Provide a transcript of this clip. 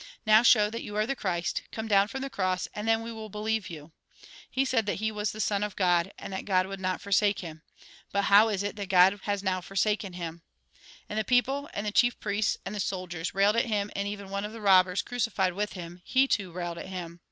Now show that you are Christ; come down from the cross, and then we will believe you. He said iS6 THE GOSPEL IN BRIEF that he was the Son of God, and that God would not forsake him. But how is it that God has now forsaken him?" And the people, and the chief priests, and the soldiers, railed at him, and even one of the robbers crucified with him, he too railed at him.